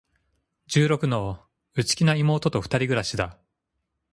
十六の、内気な妹と二人暮しだ。